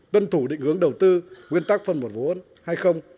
tuân thủ định hướng đầu tư nguyên tắc phân một vốn hay không